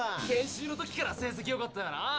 研修の時から成績よかったよな。